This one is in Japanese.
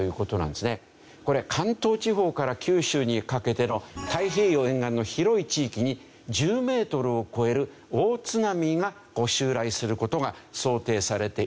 これ関東地方から九州にかけての太平洋沿岸の広い地域に１０メートルを超える大津波が襲来する事が想定されているわけですね。